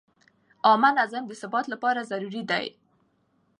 عامه نظم د ثبات لپاره ضروري دی.